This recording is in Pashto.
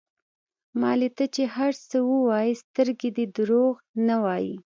مالې ته چې هر څه ووايې سترګې دې دروغ نه وايي.